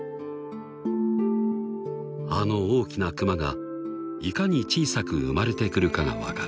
［あの大きなクマがいかに小さく生まれてくるかが分かる］